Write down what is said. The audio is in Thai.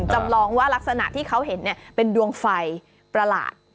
จำลองว่ารักษณะที่เขาเห็นเป็นดวงไฟประหลาด